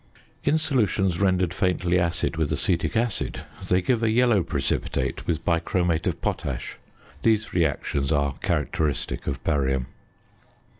In solutions rendered faintly acid with acetic acid, they give a yellow precipitate with bichromate of potash. These reactions are characteristic of barium.